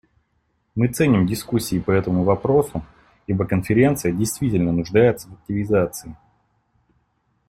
Мы ценим дискуссии по этому вопросу, ибо Конференция действительно нуждается в активизации.